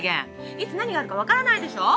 いつ何があるかわからないでしょ？